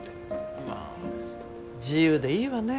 まあ自由でいいわねぇ。